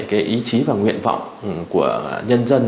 cái ý chí và nguyện vọng của nhân dân